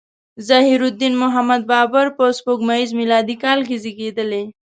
ظهیرالدین محمد بابر په سپوږمیز میلادي کال کې زیږیدلی.